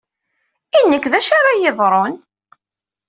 I nekk, d acu ara iyi-yeḍrun?